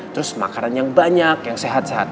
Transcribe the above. terus makanan yang banyak yang sehat sehat